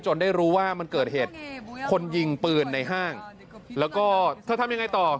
ได้รู้ว่ามันเกิดเหตุคนยิงปืนในห้างแล้วก็เธอทำยังไงต่อ